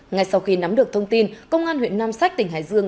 ngay sau khi nắm được thông tin công an huyện nam sách tỉnh hải dương